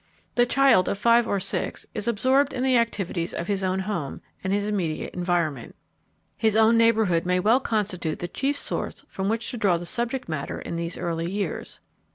The child of five or six is absorbed in the activities of his own home and his immediate environment. His own neighborhood may well constitute the chief source from which to draw the subject matter in these early years.